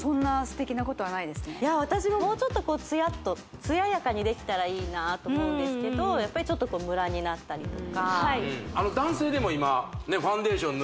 私ももうちょっとこうツヤっと艶やかにできたらいいなと思うんですけどやっぱりちょっとあっ増えてますよね